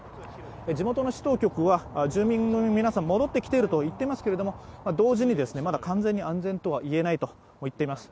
地元の市当局は住民の皆さん戻ってきていると言っていますけれども同時にですねまだ完全に安全とは言えないとをいっています